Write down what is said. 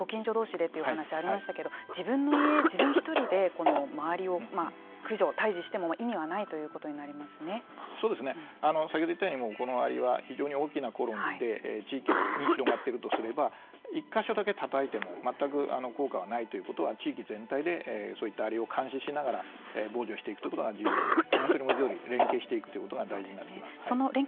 今ご近所どうしでという話がありましたけれども自分の家自分一人で周りを駆除退治しても意味はない先ほど言ったようにこのアリは非常に大きなコロニーで地域に広がっているとすれば１か所だけたたいても全く効果はないということは地域全体でそういったアリを監視しながら防除していくということが重要で本当に文字どおり連携していくことが大事ですね。